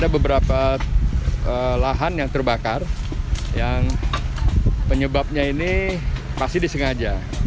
beberapa lahan yang terbakar yang penyebabnya ini masih disengaja